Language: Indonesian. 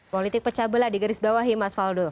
politik pecah belah di garis bawah mas waldo